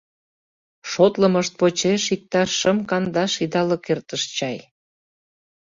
Шотлымышт почеш, иктаж шым-кандаш идалык эртыш чай.